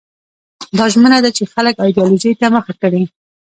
دا ژمنه ده چې خلک ایدیالوژۍ ته مخه کړي.